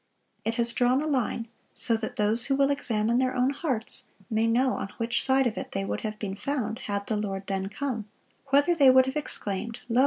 It has drawn a line, ... so that those who will examine their own hearts, may know on which side of it they would have been found, had the Lord then come—whether they would have exclaimed, 'Lo!